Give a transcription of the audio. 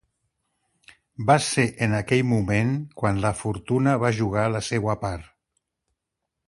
Va ser en aquell moment quan la fortuna va jugar la seua part.